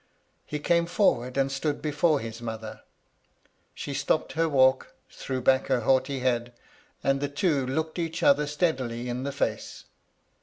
He came forward and stood before his mother. She stopped her walk, threw back her haughty head, and the two looked each other steadily in the face.